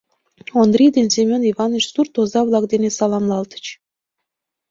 Ондрий ден Семён Иваныч сурт оза-влак дене саламлалтыч.